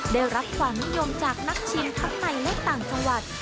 ได้รับความนิยมจากนักชิมทั้งในและต่างจังหวัด